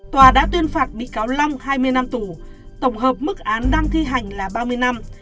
tòa đã tuyên phạt bị cáo long hai mươi năm tù tổng hợp mức án đang thi hành là ba mươi năm